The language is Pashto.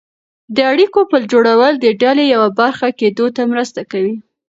د اړیکو پل جوړول د ډلې یوه برخه کېدو ته مرسته کوي.